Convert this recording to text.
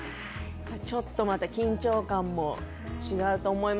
ちょっとまた緊張感も違うと思いますけど。